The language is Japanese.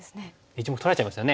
１目取られちゃいますよね。